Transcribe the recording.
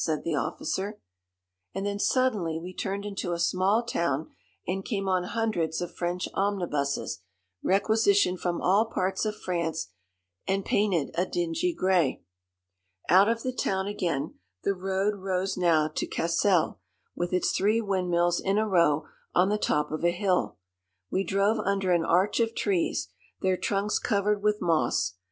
said the officer. And then suddenly we turned into a small town and came on hundreds of French omnibuses, requisitioned from all parts of France and painted a dingy grey. Out of the town again. The road rose now to Cassel, with its three windmills in a row on the top of a hill. We drove under an arch of trees, their trunks covered with moss.